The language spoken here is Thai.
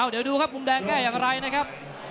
เดี๋ยวดูครับมุมแดงแก้อย่างไรนะครับ